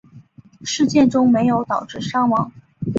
事件中没有导致伤亡。